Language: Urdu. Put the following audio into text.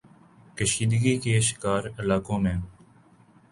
کشیدگی کے شکار علاقوں میں